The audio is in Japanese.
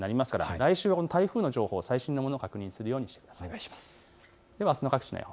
来週の台風の情報、最新のものを確認するようにしましょう。